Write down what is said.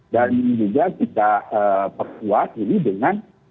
dan juga kita perkuat ini dengan